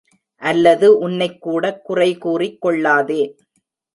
அல்லது உன்னைக் கூடக் குறைகூறிக் கொள்ளாதே.